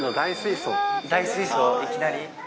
大水槽いきなり。